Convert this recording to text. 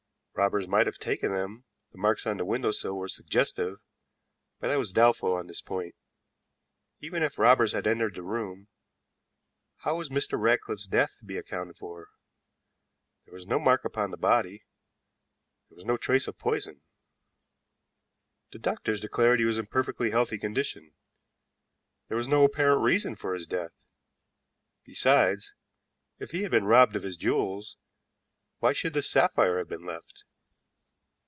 Robbers might have taken them, the marks on the window sill were suggestive, but I was doubtful on this point. Even if robbers had entered the room, how was Mr. Ratcliffe's death to be accounted for? There was no mark upon the body, there was no trace of poison. The doctors declared he was in a perfectly healthy condition. There was no apparent reason for his death. Besides, if he had been robbed of his jewels, why should the sapphire have been left?